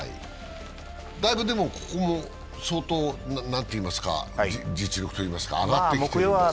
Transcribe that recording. だいぶ、ここも相当実力といいますか、上がってきてます。